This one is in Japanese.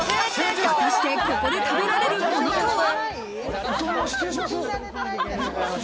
果たして、ここで食べられるものとは？